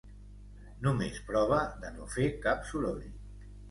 Només prova de no fer cap soroll.